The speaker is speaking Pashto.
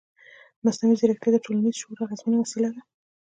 مصنوعي ځیرکتیا د ټولنیز شعور اغېزمنه وسیله ده.